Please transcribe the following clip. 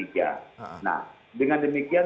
nah dengan demikian